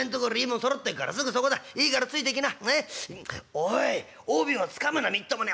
おい帯をつかむなみっともない。